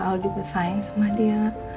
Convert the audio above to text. al juga bersaing sama dia